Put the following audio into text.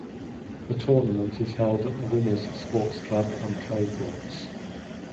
The tournament is held at the Winners Sports Club on clay courts.